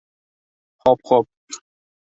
Hop, hop.